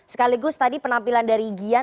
sekaligus tadi penampilan dari gian